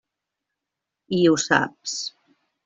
I ho saps.